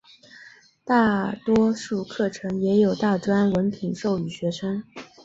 大多数课程也有大专文凭授予学生。